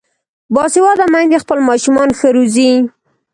باسواده میندې خپل ماشومان ښه روزي.